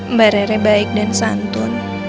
mbak rere baik dan santun